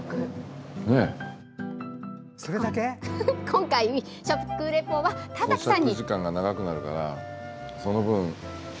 今回、食リポは田崎さんに。